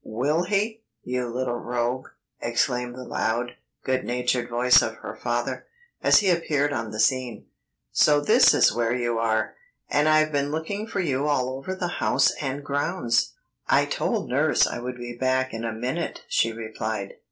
"Will he, you little rogue?" exclaimed the loud, good natured voice of her father, as he appeared on the scene. "So this is where you are, and I have been looking for you all over the house and grounds." "I told nurse I would be back in a minute," she replied.